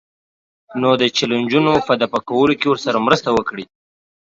نو د چیلنجونو په دفع کولو کې ورسره مرسته وکړئ.